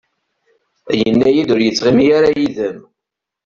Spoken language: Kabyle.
Yenna-iyi-d ur yettɣimi ara yid-m.